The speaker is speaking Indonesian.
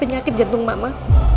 tidak mungkin jantung mama